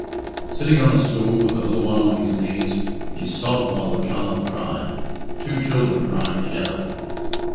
Sitting on a stool with the little one on his knees, he sobbed while the child cried two children crying together.